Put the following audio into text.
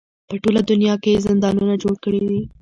په ټوله دنیا کې یې زندانونه جوړ کړي.